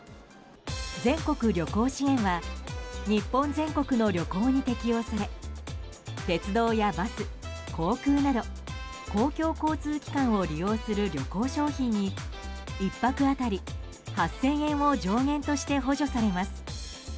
全国旅行支援は日本全国の旅行に適用され鉄道やバス、航空など公共交通機関を利用する旅行商品に１泊当たり８０００円を上限として補助されます。